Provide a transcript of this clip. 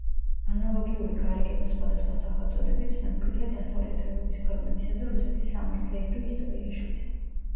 ანალოგიური გარიგება სხვადასხვა სახელწოდებით ცნობილია დასავლეთ ევროპის ქვეყნებისა და რუსეთის სამართლეებრივ ისტორიაშიც.